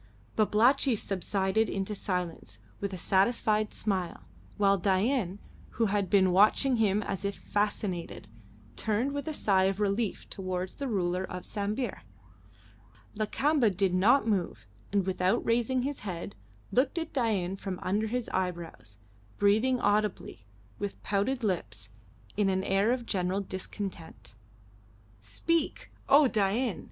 Babalatchi subsided into silence with a satisfied smile, while Dain, who had been watching him as if fascinated, turned with a sigh of relief towards the ruler of Sambir. Lakamba did not move, and, without raising his head, looked at Dain from under his eyebrows, breathing audibly, with pouted lips, in an air of general discontent. "Speak! O Dain!"